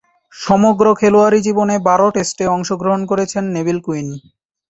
সমগ্র খেলোয়াড়ী জীবনে বারো টেস্টে অংশগ্রহণ করেছেন নেভিল কুইন।